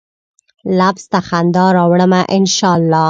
لفظ ته خندا راوړمه ، ان شا الله